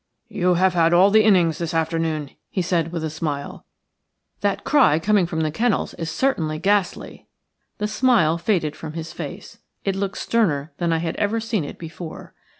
"You have had all the innings this afternoon," he said with a smile. "That cry coming from the kennels is certainly ghastly." The smile faded from his face; it looked sterner than I had ever seen it before.